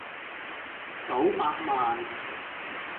九百萬